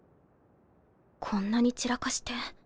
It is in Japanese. こんなに散らかして。